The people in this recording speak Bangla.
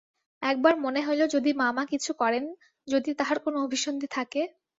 একবার মনে হইল যদি মামা কিছু করেন, যদি তাঁহার কোন অভিসন্ধি থাকে?